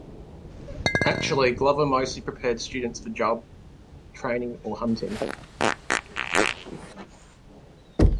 Actually, Glover mostly prepared students for job training or hunting.